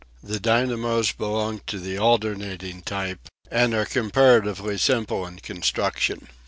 The dynamos belong to the alternating type, and are comparatively simple in construction.